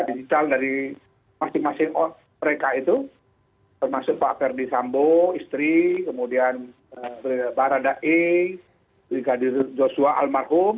digital dari masing masing mereka itu termasuk pak ferdisambo istri kemudian pak radha e bikadir joshua almarhum